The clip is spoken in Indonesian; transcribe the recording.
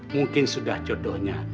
mungkin sudah jodohnya